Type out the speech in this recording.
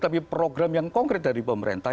tapi program yang konkret dari pemerintah